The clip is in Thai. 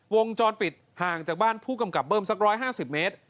วงจรปิดห่างจากบ้านผู้กำกับเบิ้มสัก๑๕๐เมตร